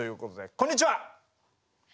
こんにちは。